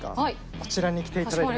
こちらに来ていただいても。